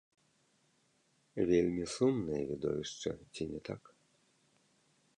Вельмі сумнае відовішча, ці не так?